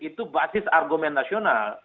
itu basis argumen nasional